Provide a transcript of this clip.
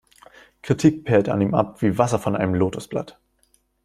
Kritik perlt an ihm ab wie Wasser von einem Lotosblatt.